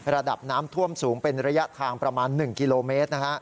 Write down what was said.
ระดับน้ำท่วมสูงเป็นระยะทางประมาณ๑กิโลเมตร